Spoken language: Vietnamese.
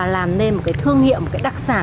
làm nên một cái thương hiệu một cái đặc sản